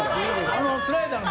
あのスライダーの。